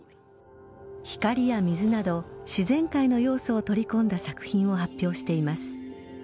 光や水など自然界の要素を取り込んだ作品を発表しています。